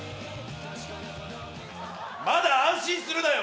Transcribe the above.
まだ安心するなよ。